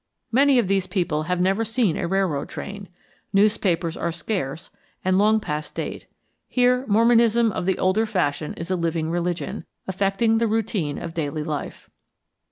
Many of these people have never seen a railroad train. Newspapers are scarce and long past date. Here Mormonism of the older fashion is a living religion, affecting the routine of daily life.